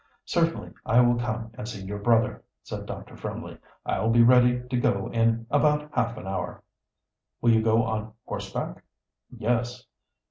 "Certainly, I will come and see your brother," said Dr. Fremley. "I'll be ready to go in about half an hour." "Will you go on horseback?" "Yes."